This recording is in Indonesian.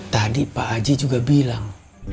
tadi pak aji juga bilang